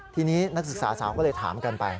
ทีนี้นักศึกษาสาวก็เลยถามกันไป